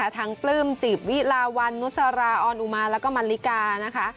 ทั้งปลื้มจีบวิลาวันนุสาราออนอุมาแล้วก็มันลิกา